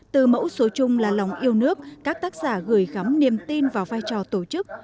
từ mẫu số chung là lòng yêu nước các tác giả gửi gắm niềm tin vào vai trò tổ chức